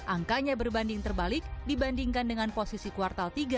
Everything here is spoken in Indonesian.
angkanya berbanding terbalik dibandingkan dengan posisi kuartal tiga